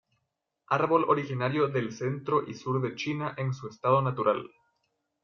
Árbol originario del centro y sur de China, en su estado natural.